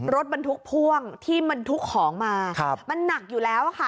รถมันทุกของมามันหนักอยู่แล้วค่ะ